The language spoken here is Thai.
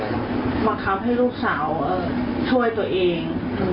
บังคับให้ลูกสาวช่วยตัวเอง